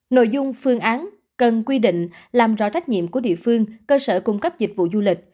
nội dung phương án cần quy định làm rõ trách nhiệm của địa phương cơ sở cung cấp dịch vụ du lịch